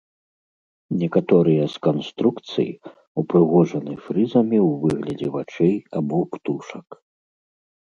Некаторыя з канструкцый упрыгожаны фрызамі ў выглядзе вачэй або птушак.